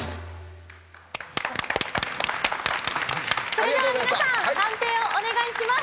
それでは皆さん判定をお願いします。